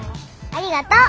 ありがとう。